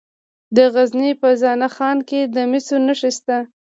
د غزني په زنه خان کې د مسو نښې شته.